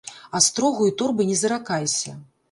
Астрогу і торбы не заракайся.